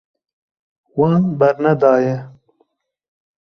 Wan bernedaye.